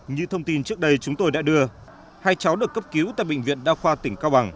như thông tin trước đây chúng tôi đã đưa hai cháu được cấp cứu tại bệnh viện đa khoa tỉnh cao bằng